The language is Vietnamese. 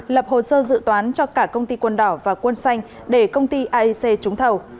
lập hồ sơ dự toán cho cả công ty quân đỏ và quân xanh để công ty aic trúng thầu